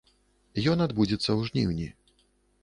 Ён адбудзецца ў жніўні.